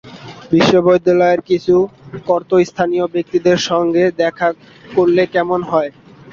বিশ্ববিদ্যালয়ের কিছু কর্তাস্থানীয় ব্যক্তিদের সঙ্গে দেখা করলে কেমন হয়?